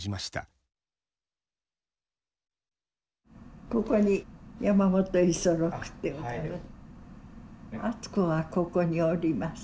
温子はここにおります。